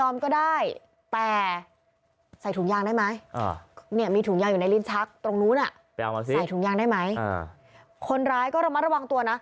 ใส่ถุงยางได้ไหมคนร้ายก็ระมัดระวังตัวนะ